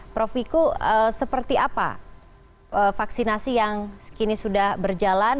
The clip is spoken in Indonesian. prof wiku seperti apa vaksinasi yang kini sudah berjalan